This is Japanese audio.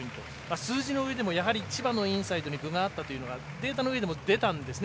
数字の上でも千葉のインサイドに分があったというのがデータのうえでも出たんですね